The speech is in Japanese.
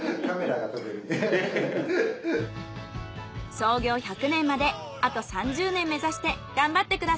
創業１００年まであと３０年目指して頑張ってください。